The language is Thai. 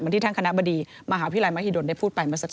เหมือนที่ทางคณะบดีมหาวิทยาลัยมหิดลได้พูดไปมาสักที